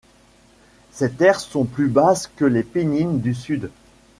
Ces terres sont plus basses que les Pennines du Sud.